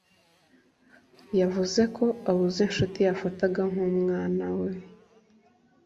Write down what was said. yavuze ko abuze inshuti yafataga nk’umwana we